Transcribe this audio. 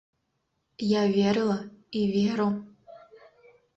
Я верыла, і веру.